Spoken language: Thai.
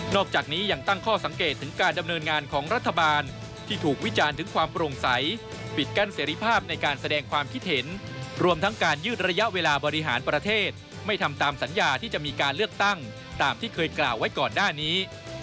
อกจากนี้ยังตั้งข้อสังเกตถึงการดำเนินงานของรัฐบาลที่ถูกวิจารณ์ถึงความโปร่งใสปิดกั้นเสรีภาพในการแสดงความคิดเห็นรวมทั้งการยืดระยะเวลาบริหารประเทศไม่ทำตามสัญญาที่จะมีการเลือกตั้งตามที่เคยกล่าวไว้ก่อนหน้านี้